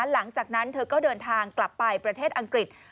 หลังจากนั้นเธอก็เดินทางกลับไปประเทศอังกฤษ